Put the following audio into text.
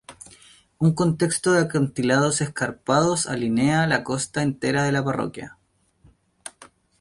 Un contexto de acantilados escarpados alinea la costa entera de la parroquia.